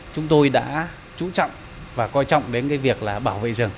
chúng tôi đã chú trọng và coi trọng đến việc là bảo vệ rừng